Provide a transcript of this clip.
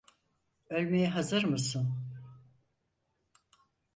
Ölmeye hazır mısın?